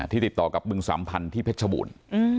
ที่ติดต่อกับบึงสวามพันธุ์ที่เพชรบุญ